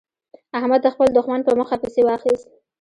احمد خپل دوښمن په مخه پسې واخيست.